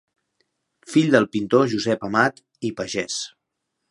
Fill del pintor Josep Amat i Pagès.